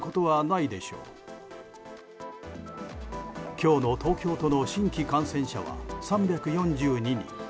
今日の東京都の新規感染者は３４２人。